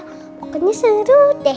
pake moneka pokoknya seru deh